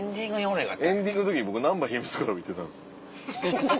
エンディングの時僕難波秘密倶楽部行ってたんです。